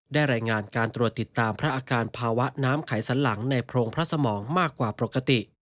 รายงานการตรวจติดตามพระอาการภาวะน้ำไขสันหลังในโพรงพระสมองมากกว่าปกติ